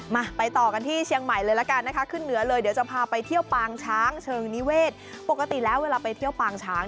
เพราะว่าที่นี่เขาไม่ให้ขี่ช้าง